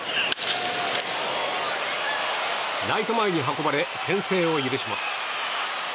ライト前に運ばれ先制を許します。